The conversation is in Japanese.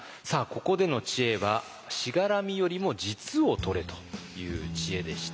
ここでの知恵は「しがらみよりも実をとれ」という知恵でした。